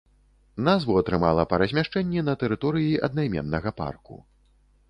Назву атрымала па размяшчэнні на тэрыторыі аднайменнага парку.